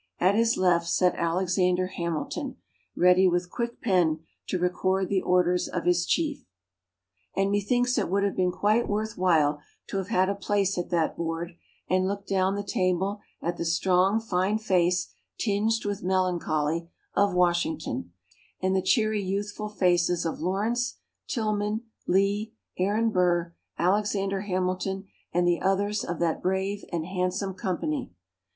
At his left sat Alexander Hamilton, ready with quick pen to record the orders of his chief. And methinks it would have been quite worth while to have had a place at that board, and looked down the table at "the strong, fine face, tinged with melancholy," of Washington; and the cheery, youthful faces of Lawrence, Tilghman, Lee, Aaron Burr, Alexander Hamilton and the others of that brave and handsome company.